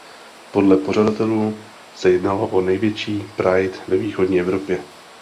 Podle pořadatelů se jednalo o největší pride ve východní Evropě.